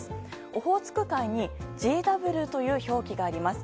オホーツク海にＧＷという表記があります。